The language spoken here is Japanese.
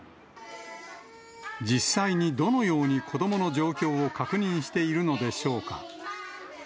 実際にどのように、子どもの状況を確認しているのでしょうか。